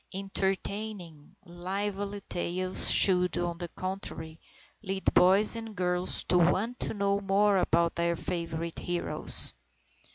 Entertaining, lively tales should, on the contrary, lead boys and girls to want to know more about their favourite heroes.